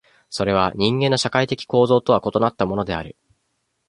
それは人間の社会的構造とは異なったものである。